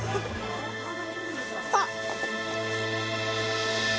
あっ！